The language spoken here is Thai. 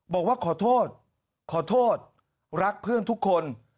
บอกว่าขอโทษขอโทษรักเพื่อนทุกคน